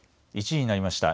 １時になりました。